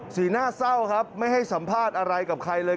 หน้าเศร้าครับไม่ให้สัมภาษณ์อะไรกับใครเลย